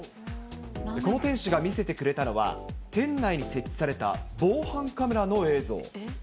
この店主が見せてくれたのは、店内に設置された防犯カメラの映像。